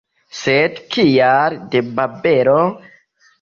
Sed, kial de Babelo?